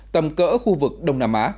tầm cỡ khu vực đông nam á